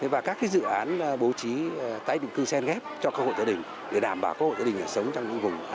và các dự án bố trí tái định cư sen ghép cho cơ hội tựa đình để đảm bảo cơ hội tựa đình sống trong những vùng an toàn